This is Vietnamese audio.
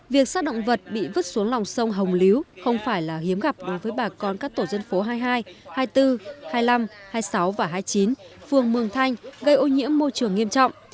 việc sát động vật bị vứt xuống lòng sông hồng líu không phải là hiếm gặp đối với bà con các tổ dân phố hai mươi hai hai mươi bốn hai mươi năm hai mươi sáu và hai mươi chín phường mường thanh gây ô nhiễm môi trường nghiêm trọng